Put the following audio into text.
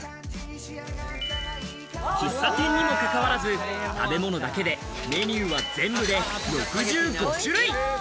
喫茶店にも関わらず、食べ物だけでメニューは全部で６５種類。